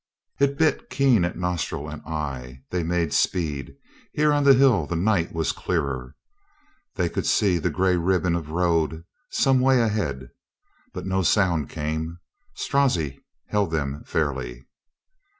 It bit keen at nostril and eye. They made speed. Here on the hill the night was clearer. They could see the gray ribbon of road some way ahead. But no sound came. Strozzi held them fairly.